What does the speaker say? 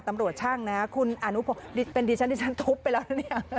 ตำรวจช่างนะครับคุณอนุพงศ์เป็นที่ฉันทุบไปแล้วนะเนี่ย